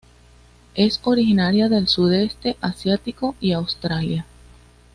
Es originaria del Sudeste Asiático y Australia.